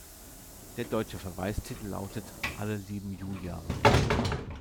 Der deutsche Verweistitel lautet "Alle lieben Julia".